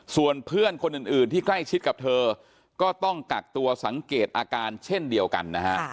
ส่วนเพื่อนคนอื่นที่ใกล้ชิดกับเธอก็ต้องกักตัวสังเกตอาการเช่นเดียวกันนะฮะ